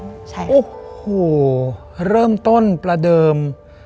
โอ้โหเริ่มต้นประเดิม